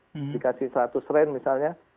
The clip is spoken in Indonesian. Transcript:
dikasih seratus rand misalnya